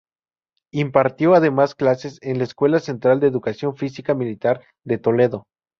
Impartió además clases en la Escuela Central de Educación Física Militar de Toledo.